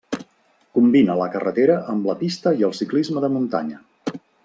Combina la carretera amb la pista i el ciclisme de muntanya.